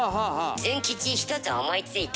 ズン吉１つ思いついた。